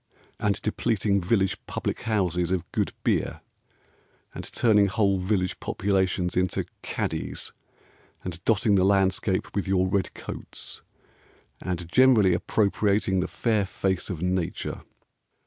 And depleting village public houses of good beer, And turning whole village populations into caddies, And dotting the landscape with your red coats, And generally appropriating the fair face of Nature.